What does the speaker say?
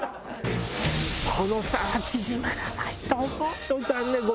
この差は縮まらないと思うよ。